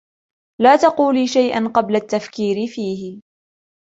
لا تقولي شيئًا قبل التفكير فيه.